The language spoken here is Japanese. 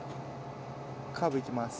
カーブいきます。